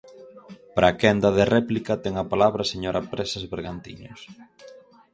Para a quenda de réplica ten a palabra a señora Presas Bergantiños.